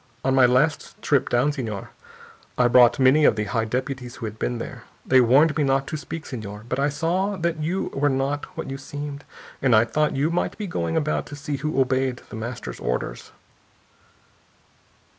On my last trip, down, senor, I brought many of the high deputies who had been there. They warned me not to speak, senor, but I saw that you were not what you seemed, and I thought you might be going about to see who obeyed The Master's orders...."